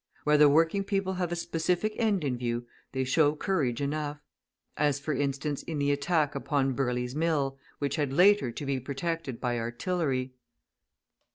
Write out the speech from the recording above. Where the working people have a specific end in view, they show courage enough; as, for instance, in the attack upon Birley's mill, which had later to be protected by artillery.